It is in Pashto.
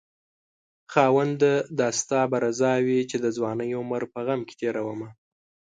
خاونده دا به ستا رضاوي چې دځوانۍ عمر په غم کې تيرومه